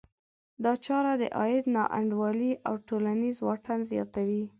دا چاره د عاید نا انډولي او ټولنیز واټن زیاتوي.